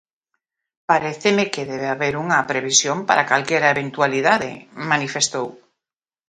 "Paréceme que debe haber unha previsión para calquera eventualidade", manifestou.